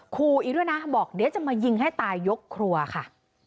คู่อีกด้วยนะบอกเดี๋ยวจะมายิงให้ตายยกครัวค่ะ